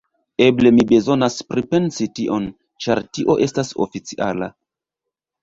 Eble ni bezonas pripensi tion, ĉar tio estas oficiala...